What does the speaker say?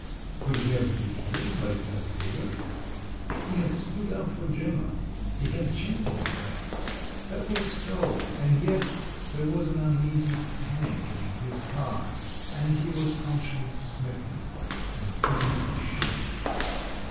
could he have behaved like Herr Klüber? He had stood up for Gemma, he had championed her … that was so; and yet, there was an uneasy pang in his heart, and he was conscience smitten, and even ashamed.